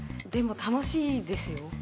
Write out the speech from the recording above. でも楽しいですよ